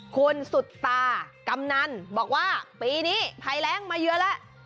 คุณสุตากำนันบอกว่าปีนี้ภัยแรงมาเยอะแล้ว